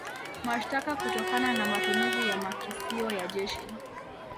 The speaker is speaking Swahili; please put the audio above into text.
Mashtaka kutokana na matumizi ya makisio ya jeshi